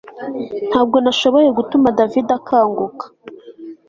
Ntabwo nashoboye gutuma David akanguka